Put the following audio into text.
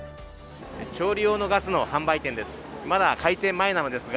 調理用のガスの販売店です。